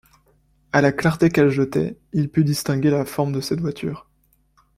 À la clarté qu’elles jetaient, il put distinguer la forme de cette voiture.